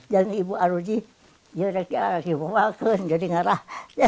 dan ibu aruji ya sudah kipu kupu kan jadi ngerah